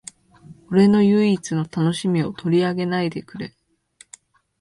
俺の唯一の楽しみを取り上げないでくれ